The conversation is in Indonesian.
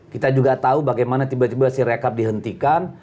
kita juga tahu bagaimana tiba tiba sirekap dihentikan